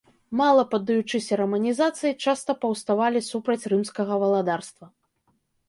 Мала паддаючыся раманізацыі, часта паўставалі супраць рымскага валадарства.